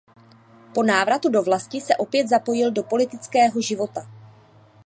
Po návratu do vlasti se opět zapojil do politického života.